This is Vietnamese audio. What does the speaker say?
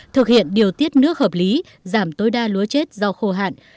thực hiện điều tiết nước hợp lý giảm tối đa lúa chết do khô hạn